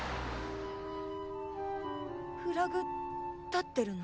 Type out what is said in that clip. フラグ立ってるの？